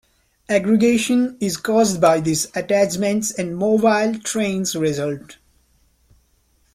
Aggregation is caused by these attachments and mobile trains result.